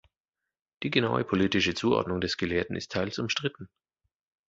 Die genaue politische Zuordnung des Gelehrten ist teils umstritten.